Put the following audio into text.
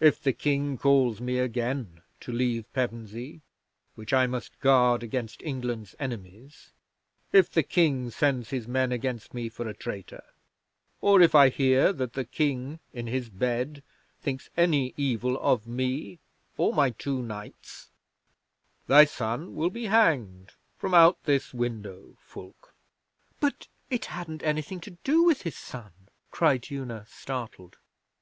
If the King calls me again to leave Pevensey, which I must guard against England's enemies; if the King sends his men against me for a traitor; or if I hear that the King in his bed thinks any evil of me or my two knights, thy son will be hanged from out this window, Fulke."' 'But it hadn't anything to do with his son,' cried Una, startled.